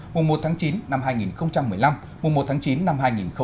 mùa một tháng chín năm hai nghìn một mươi năm mùa một tháng chín năm hai nghìn hai mươi